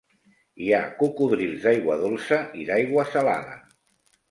Hi ha cocodrils d'aigua dolça i d'aigua salada.